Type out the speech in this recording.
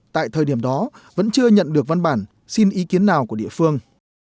tại thời điểm đó vẫn chưa nhận được văn bản xin ý kiến nào của địa phương